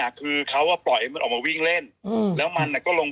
คือเขาอ่ะปล่อยมันออกมาวิ่งเล่นอืมแล้วมันก็ลง